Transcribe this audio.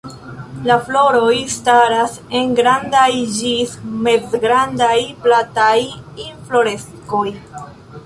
La floroj staras en grandaj ĝis mezgrandaj, plataj infloreskoj.